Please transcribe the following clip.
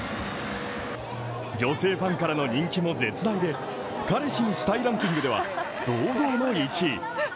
女性ファンからの人気も絶大で彼氏にしたいランキングでは堂々の１位。